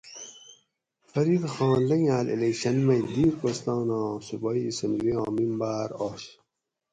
فرید خان لنگاۤل الیکشن مئ دیر کوستاناں صوبائ اسمبلی آں ممباۤر آش